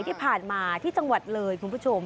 ที่ผ่านมาที่จังหวัดเลยคุณผู้ชม